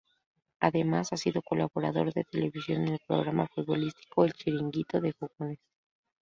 Además, ha sido colaborador de televisión en el programa futbolístico El Chiringuito de Jugones.